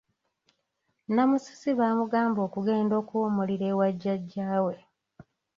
Namusisi baamugamba okugenda okuwummulira ewa jjajjaawe.